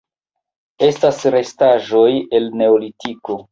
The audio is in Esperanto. Estas restaĵoj el Neolitiko.